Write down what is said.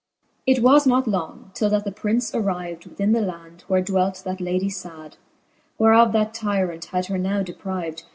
It was not long, till that the Prince arrived Within the land, where dwelt that ladie fad, Whereof that tyrant had her now deprived.